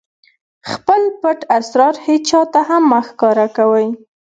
خپل پټ اسرار هېچاته هم مه ښکاره کوئ!